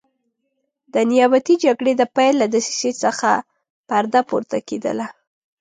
د نیابتي جګړې د پیل له دسیسې څخه پرده پورته کېدله.